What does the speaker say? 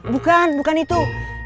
bukan bukan itu